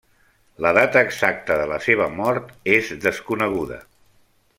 La data exacta de la seva mort és desconeguda.